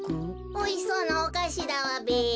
おいしそうなおかしだわべ。